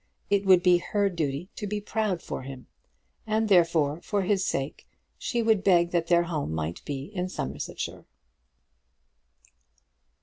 It would be her duty to be proud for him, and therefore, for his sake, she would beg that their home might be in Somersetshire.